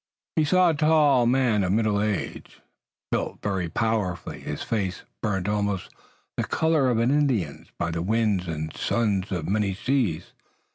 He saw a tall man of middle age, built very powerfully, his face burnt almost the color of an Indian's by the winds and suns of many seas.